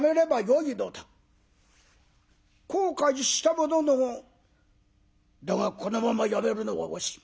後悔したものの「だがこのままやめるのは惜しい。